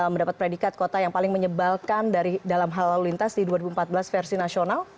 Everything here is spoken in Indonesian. mendapat predikat kota yang paling menyebalkan dalam hal lalu lintas di dua ribu empat belas versi nasional